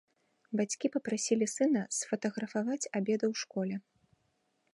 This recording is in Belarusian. Бацькі папрасілі сына сфатаграфаваць абеды ў школе.